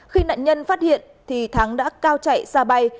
khi nạn nhân phát hiện thì thắng đã cao chạy xa bay